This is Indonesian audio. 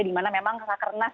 dimana memang kakak kernas